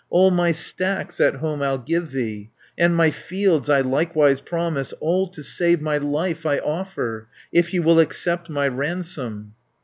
All my stacks at home I'll give thee, And my fields I likewise promise, 430 All to save my life I offer, If you will accept my ransom."